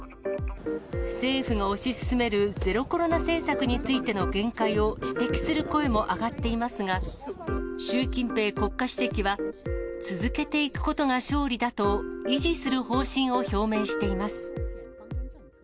政府が推し進めるゼロコロナ政策についての限界を、指摘する声も上がっていますが、習近平国家主席は、続けていくことが勝利だと、維持する方針を表明しています。